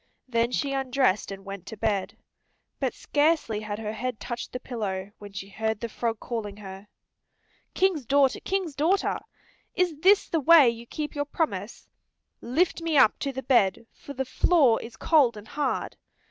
Then she undressed and went to bed. But scarcely had her head touched the pillow when she heard the frog calling her. "King's daughter, King's daughter! Is this the way you keep your promise? Lift me up to the bed, for the floor is cold and hard."